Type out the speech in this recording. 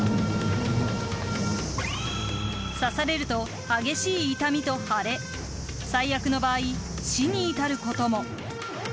刺されると激しい痛みと腫れ最悪の場合、死に至ることも。